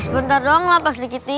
sebentar doang lah pak srik giti